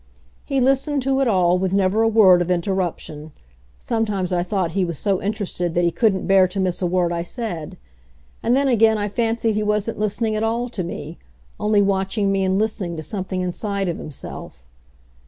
He listened to it all with never a word of interruption. Sometimes I thought he was so interested that he couldn't bear to miss a word I said. And then again I fancied he wasn't listening at all to me; only watching me and listening to something inside of himself.